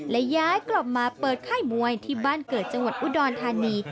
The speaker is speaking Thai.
และย้ายกลับมาเปิดค่ายมวยที่บ้านเกิดจังหวัดอุดรธานี